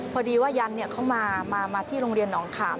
พอดีว่ายันเขามาที่โรงเรียนหนองขาม